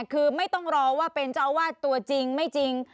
คือไม่ต้องรอว่าเป็นเจ้าอาวาสตัวจริงไม่จริง